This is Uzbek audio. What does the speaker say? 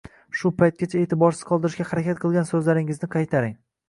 shu paytgacha e’tiborsiz qoldirishga harakat qilgan so‘zlaringizni qaytaring.